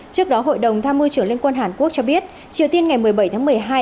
trước đó hội đồng tham mưu trưởng liên quân hàn quốc cho biết triều tiên ngày một mươi bảy tháng một mươi hai